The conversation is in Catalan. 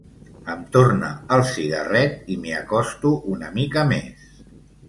Em torna el cigarret i m'hi acosto una mica més.